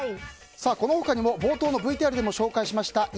この他にも冒頭のＶＴＲでも紹介しました